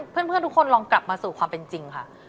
เพื่อนทุกคนลองกลับมาสู่ความเป็นจริงค่ะ